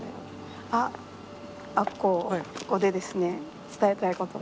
あっあっこここでですね伝えたいことが。